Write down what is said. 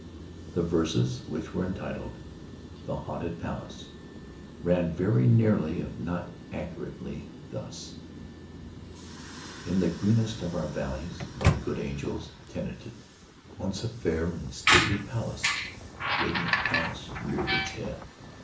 The verses, which were entitled "The Haunted Palace," ran very nearly, if not accurately, thus: I. In the greenest of our valleys, By good angels tenanted, Once a fair and stately palace— Radiant palace—reared its head.